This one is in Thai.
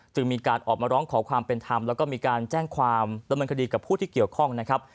มีการออกมาร้องขอความเป็นธรรมแล้วก็มีการแจ้งความดำเนินคดีกับผู้ที่เกี่ยวข้องนะครับ